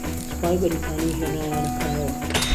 سوپای بەریتانی ھێنایانە کایەوە